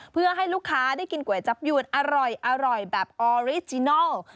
เพื่อให้ลูกค้าได้กินก๋วยจับยวนอร่อยแบบออริจินัล